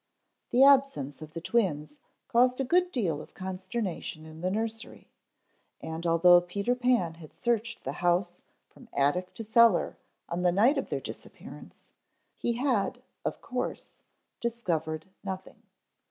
_ THE absence of the twins caused a good deal of consternation in the nursery, and although Peter Pan had searched the house from attic to cellar on the night of their disappearance, he had, of course, discovered nothing.